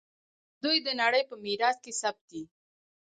دوی د نړۍ په میراث کې ثبت دي.